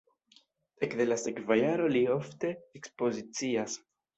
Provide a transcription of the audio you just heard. Ekde la sekva jaro li ofte ekspozicias.